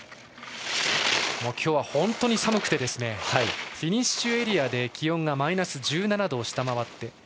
今日は本当に寒くてフィニッシュエリアで気温がマイナス１７度を下回って。